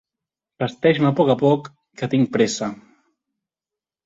Vesteix-me a poc a poc que tinc pressa.